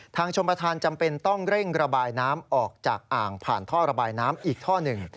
ชมประธานจำเป็นต้องเร่งระบายน้ำออกจากอ่างผ่านท่อระบายน้ำอีกท่อหนึ่ง